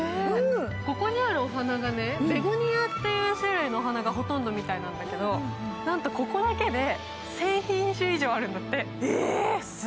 ここにあるお花がベゴニアという種類がほとんどなんだけど、なんとここだけで１０００品種以上あるんだって。